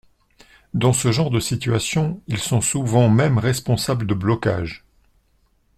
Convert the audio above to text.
Dans ce genre de situations, ils sont souvent même responsables de blocages.